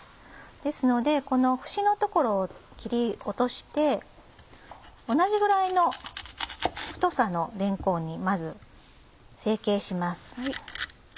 ですのでこの節の所を切り落として同じぐらいの太さのれんこんにまず整形します。